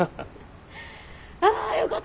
あよかった！